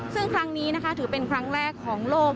ซึ่งครั้งนี้นะคะถือเป็นครั้งแรกของโลก